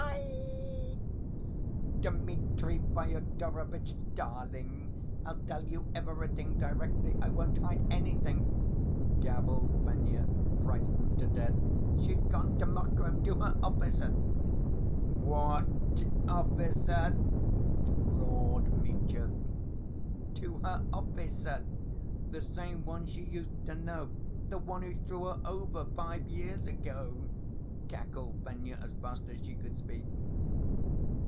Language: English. Aie! Dmitri Fyodorovitch, darling, I'll tell you everything directly, I won't hide anything," gabbled Fenya, frightened to death; "she's gone to Mokroe, to her officer." "What officer?" roared Mitya. "To her officer, the same one she used to know, the one who threw her over five years ago," cackled Fenya, as fast as she could speak.